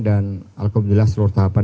dan alhamdulillah seluruh tahapan